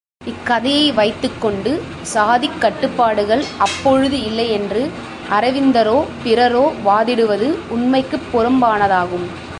இக்கதையை வைத்துக் கொண்டு சாதிக் கட்டுப்பாடுகள் அப்பொழுது இல்லையென்று அரவிந்தரோ, பிறரோ வாதிடுவது உண்மைக்குப் புறம்பானதாகும்.